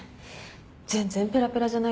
全然ペラペラじゃないです。